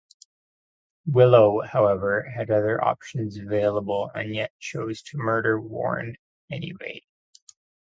Willow, however, had other options available and yet chose to murder Warren anyway.